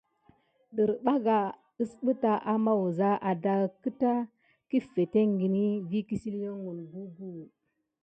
Derɓaga usɓeta ama wuza, adahek keta kəfekgeni vi kəsilgen gugu ə.